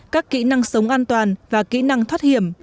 các kỹ năng sống an toàn và kỹ năng thoát hiểm